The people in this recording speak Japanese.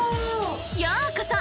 ようこそ！